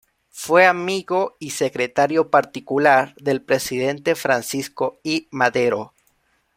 Fue amigo y secretario particular del presidente Francisco I. Madero.